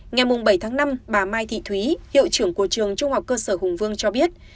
ngày bảy tháng năm bà mai thị thúy hiệu trưởng của trường trung học cơ sở hùng vương cho biết